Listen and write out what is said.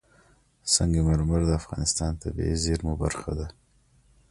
سنگ مرمر د افغانستان د طبیعي زیرمو برخه ده.